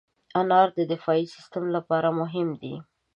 انار د دفاعي سیستم لپاره مهم دی.